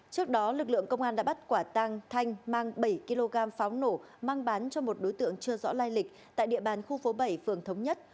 trước đó lực lượng công an đã bắt quả tăng thanh mang bảy kg pháo nổ mang bán cho một đối tượng chưa rõ lai lịch tại địa bàn khu phố bảy phường thống nhất